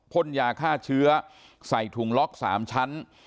พ่นยาฆ่าเชื้อใส่ถุงล็อก๓ชั้น